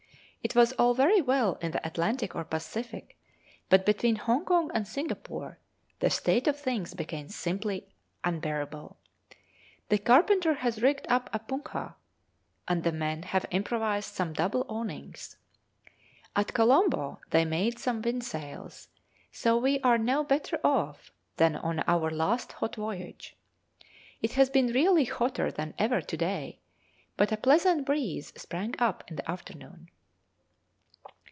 It was all very well in the Atlantic or Pacific, but between Hongkong and Singapore the state of things became simply unbearable. The carpenter has rigged up a punkah, and the men have improvised some double awnings. At Colombo they made some windsails, so we are now better off than on our last hot voyage. It has been really hotter than ever to day, but a pleasant breeze sprang up in the afternoon.